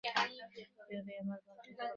এইভাবে আমরা ভ্রান্তির কবলে পড়ি।